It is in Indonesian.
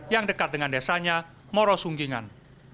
yang dekat dengan desanya morosunggingan